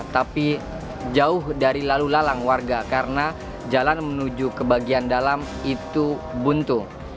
tapi jauh dari lalu lalang warga karena jalan menuju ke bagian dalam itu buntung